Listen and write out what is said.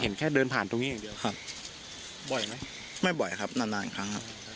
เห็นแค่เดินผ่านตรงนี้อย่างเดียวครับบ่อยไหมไม่บ่อยครับนานนานครั้งครับ